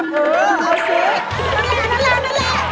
ใกล้แล้วป่าใกล้แล้ว